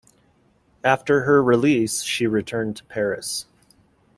After her release, she returned to Paris.